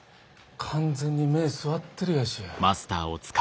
完全に目据わってるやし。